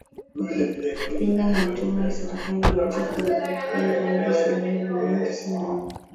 wakipinga hatua ya serikali ya nchi kuilipa zaidi shilingi bilioni tisini na nne